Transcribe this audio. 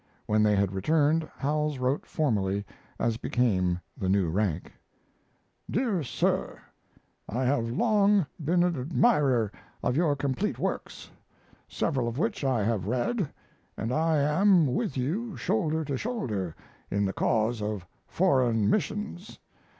When they had returned, Howells wrote formally, as became the new rank: DEAR SIR, I have long been an admirer of your complete works, several of which I have read, and I am with you shoulder to shoulder in the cause of foreign missions.